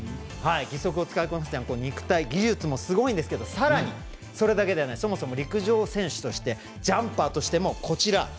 義足を使いこなすには肉体、技術もすごいんですがさらに、それだけではないそもそも陸上選手としてジャンパーとしても、こちら。